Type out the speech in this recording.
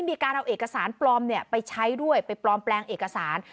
มีการเอาเอกสารปลอมไปใช้ด้วยไปปลอมแปลงเอกสาร